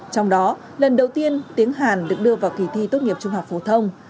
trong đó lần đầu tiên tiếng hàn được đưa vào kỳ thi tốt nghiệp trung học phổ thông